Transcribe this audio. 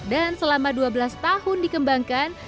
dan selama dua belas tahun dikembangkan